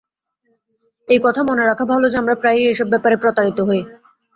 এই কথা মনে রাখা ভাল যে, আমরা প্রায়ই এইসব ব্যাপারে প্রতারিত হই।